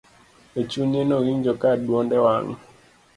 e chunye nowinjo ka duonde wang